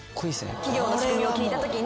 企業の仕組みを聞いたときに。